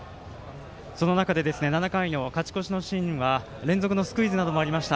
その中で７回の勝ち越しのシーンは連続のスクイズなどもありました。